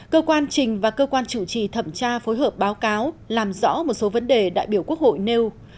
cơ quan trình và cơ quan chủ trì thẩm tra phối hợp báo cáo làm rõ một số vấn đề đại biểu quốc hội nêu